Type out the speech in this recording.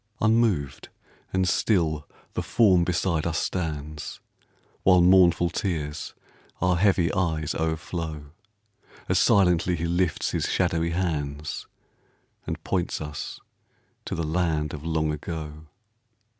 Unmoved and still the form beside us stands, While mournful tears our heavy eyes o'erflow, As silently he lifts his shadowy hands, And points us to the land of Long Ago.